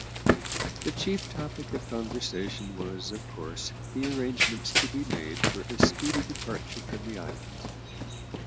The chief topic of conversation was, of course, the arrangements to be made for a speedy departure from the island.